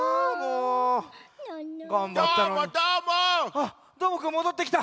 あっどーもくんもどってきた！